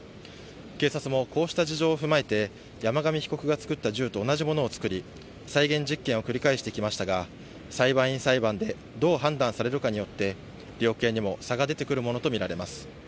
警察もこうした事情を踏まえて、山上被告が作った銃と同じものを作り、再現実験を繰り返してきましたが、裁判員裁判でどう判断されるかによって、量刑にも差が出てくるものと見られます。